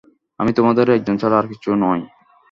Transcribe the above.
আমি তোমাদেরই একজন ছাড়া আর কিছু নই।